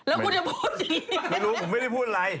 แล้วรู้ผมไม่ได้พูดอะไร